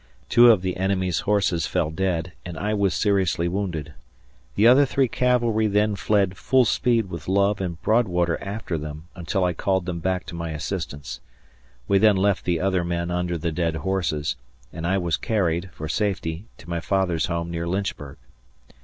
Two of the enemy's horses fell dead, and I was seriously wounded. The other three cavalry then fled full speed with Love and Broadwater after them until I called them back to my assistance. We then left the other men under the dead horses, and I was carried, for safety, to my father's home near Lynchburg.